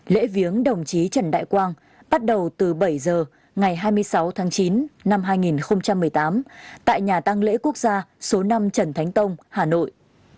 lễ viếng đồng chí trần đại quang bắt đầu từ bảy giờ ngày hai mươi sáu tháng chín năm hai nghìn một mươi tám tại nhà tăng lễ quốc gia số năm trần thánh tông hà nội